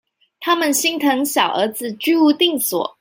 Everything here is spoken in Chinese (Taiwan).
他們心疼小兒子居無定所